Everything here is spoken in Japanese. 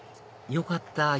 よかった